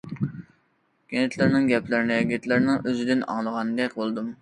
گىتلېرنىڭ گەپلىرىنى گىتلېرنىڭ ئۆزىدىن ئاڭلىغاندەك بولدۇم.